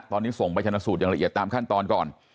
ตอนนี้ส่งไปชนะสูตรอย่างละเอียดตามขั้นตอนก่อน